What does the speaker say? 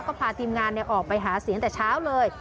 ก็พาทีมงานออกไปหาเสียงแต่เช้าเลย